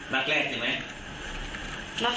เดินเข้ามาหนึ่งครับ